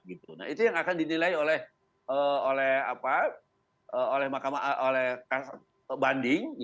nah itu yang akan dinilai oleh banding